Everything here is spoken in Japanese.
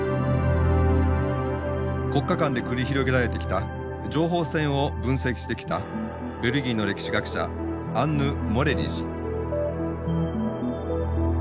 国家間で繰り広げられてきた情報戦を分析してきたベルギーの歴史学者アンヌ・モレリ氏。